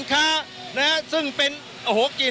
สถานการณ์ข้อมูล